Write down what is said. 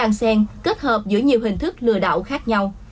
vấn đăng sen kết hợp giữa nhiều hình thức lừa đảo khác nhau